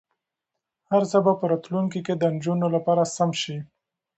هر څه به په راتلونکي کې د نجونو لپاره سم شي.